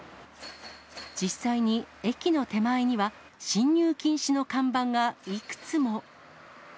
実際に駅の手前には、進入禁止の看板がいくつも。